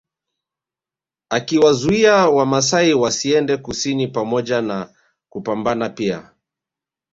Akiwazuia Wamasai wasiende kusini pamoja na kupambana pia